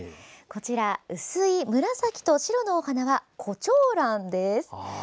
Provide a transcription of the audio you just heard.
こちら、薄い紫と白のお花はコチョウランです。